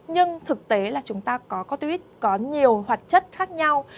nhưng thực tế là chúng ta có contic có nhiều hoạt chất khác nhau